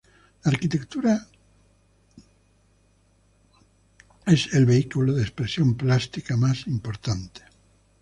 La arquitectura el vehículo de expresión plástica más importante.